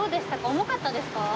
重かったですか？